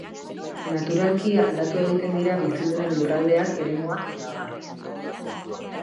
Naturalki aldatu egiten dira bizidunen lurraldeak, eremuak eta abar.